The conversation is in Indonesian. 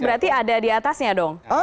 berarti ada di atasnya dong